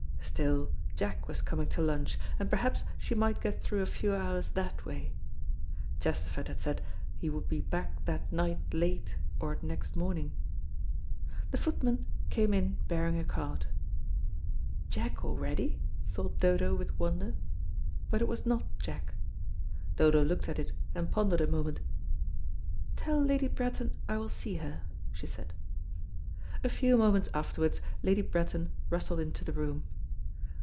Still, Jack, was coming to lunch, and perhaps she might get through a few hours that way. Chesterford had said Be would be back that night late or next morning. The footman came in bearing a card. "Jack already," thought Dodo, with wonder. But it was not Jack. Dodo looked at it and pondered a moment. "Tell Lady Bretton I will see her," she said. A few moments afterwards Lady Bretton rustled into the room.